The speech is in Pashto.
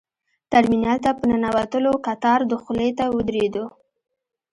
ترمینل ته په ننوتلو کتار دخولي ته ودرېدو.